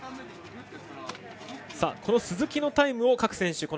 この鈴木のタイムを各選手